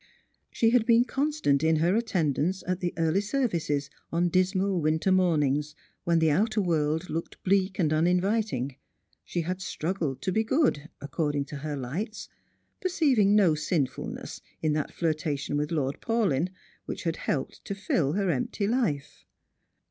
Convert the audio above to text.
She had been constant in her attendance at the early services on dismal winter mornings, when the outer world looked bleak and uninviting. She had struggled to be good, according to her lights, perceiving no sin fulness in that flirtation with Lord Paulyn, which had helped to fill her empty life.